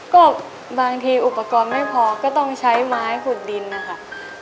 ก็บางทีอุปกรณ์ไม่พอก็ต้องใช้ไม้ขุดดินนะคะ